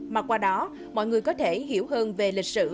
mà qua đó mọi người có thể hiểu hơn về lịch sử